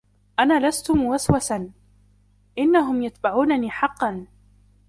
أنا لستُ مُوَسْوَساً ، أنهم يتبعونني حقّاً!